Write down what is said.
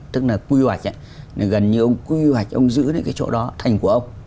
tức là quy hoạch gần như ông quy hoạch ông giữ đến cái chỗ đó thành của ông